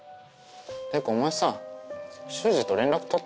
てかお前さ秀司と連絡取ってたの？